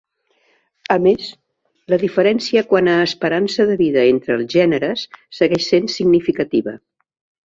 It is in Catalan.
A més, la diferència quant a esperança de vida entre els gèneres segueix sent significativa.